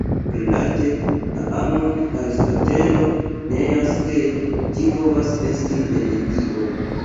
Rilate la amon Aristotelo neas ke ĝi povas esti en Dio.